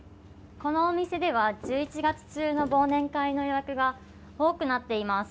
このお店では１１月中の忘年会の予約が多くなっています。